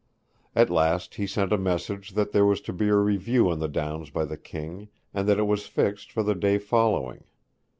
At last he sent a message that there was to be a review on the downs by the King, and that it was fixed for the day following.